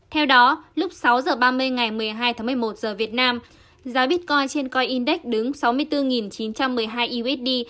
theo đó lúc sáu h ba mươi ngày một mươi hai tháng một mươi một giờ việt nam giá bitcoin trên coi index đứng sáu mươi bốn chín trăm một mươi hai id